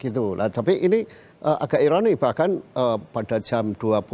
tapi ini agak ironi bahkan pada jam dua puluh